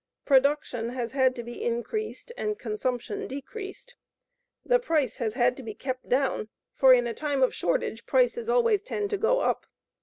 Production has had to be increased and consumption decreased. The price has had to be kept down, for in a time of shortage prices always tend to go up.